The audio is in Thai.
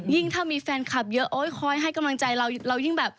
ถ้ามีแฟนคลับเยอะโอ๊ยคอยให้กำลังใจเราเรายิ่งแบบ